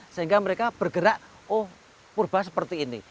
sehingga mereka bergerak oh purba seperti ini